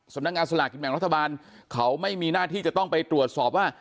สำนักงานสลากกินแบ่งรัฐบาลเขาไม่มีหน้าที่จะต้องไปตรวจสอบว่า